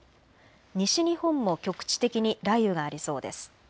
西日本も局地的に雷雨がありそうです。